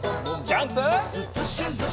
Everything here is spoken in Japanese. ジャンプ！